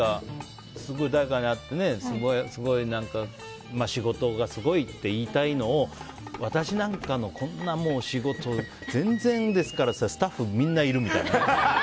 誰かに会って、仕事がすごいって言いたいのを私なんかのこんな仕事全然ですからって言ったらスタッフみんないるみたいな。